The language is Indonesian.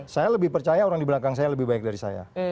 saya lebih percaya orang di belakang saya lebih baik dari saya